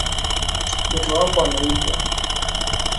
Mtoto wako ameibwa.